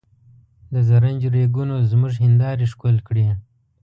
د زرنج ریګونو زموږ هندارې ښکل کړې.